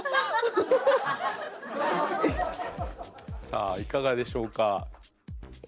さあいかがでしょうか？